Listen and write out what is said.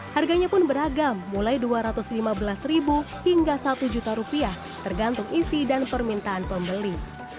harganya pun beragam mulai rp dua ratus lima belas hingga rp satu tergantung isi dan permintaan pembeli